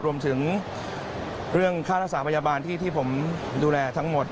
รวมถึงเรื่องค่ารักษาพยาบาลที่ผมดูแลทั้งหมด